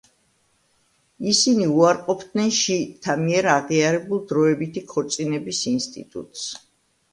ისინი უარყოფდნენ შიიტთა მიერ აღიარებულ დროებითი ქორწინების ინსტიტუტს.